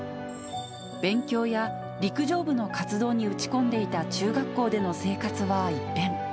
勉強や陸上部の活動に打ち込んでいた中学校での生活は一変。